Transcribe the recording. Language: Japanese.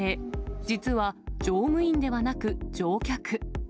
実は乗務員ではなく乗客。